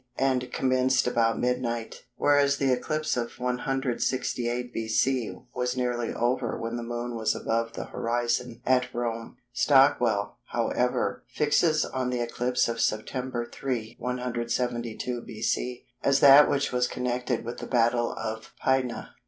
and commenced about midnight, whereas the eclipse of 168 B.C. was nearly over when the Moon was above the horizon at Rome. Stockwell, however, fixes on the eclipse of September 3, 172 B.C. as that which was connected with the Battle of Pydna.